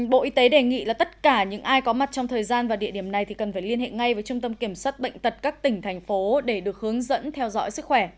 bộ y tế đề nghị là tất cả những ai có mặt trong thời gian và địa điểm này thì cần phải liên hệ ngay với trung tâm kiểm soát bệnh tật các tỉnh thành phố để được hướng dẫn theo dõi sức khỏe